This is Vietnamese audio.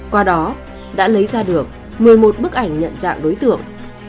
qua đó đã lấy ra được một mươi một bức ảnh nhận dạng đối tượng